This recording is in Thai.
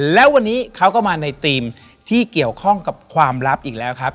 แล้ววันนี้เขาก็มาในธีมที่เกี่ยวข้องกับความลับอีกแล้วครับ